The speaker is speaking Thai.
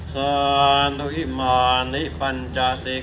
อธินาธาเวระมะนิสิขาปะทังสมาธิยามี